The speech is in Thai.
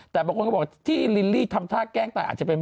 แต่บางคนก็บอกที่ลิลลี่ทำท่าแกล้งตาย